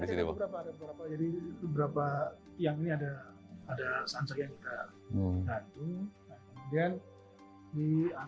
ada beberapa jadi beberapa yang ini ada sansak yang kita gantung